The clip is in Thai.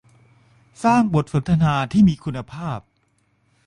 "สร้างบทสนทนาที่มีคุณภาพ"